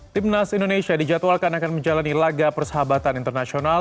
timnas indonesia dijadwalkan akan menjalani laga persahabatan internasional